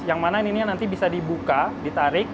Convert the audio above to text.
yang mana ini nanti bisa dibuka ditarik